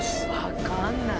わかんない。